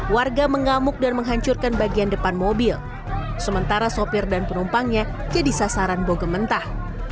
warga mengamuk dan menghancurkan bagian depan mobil sementara sopir dan penumpangnya jadi sasaran boge mentah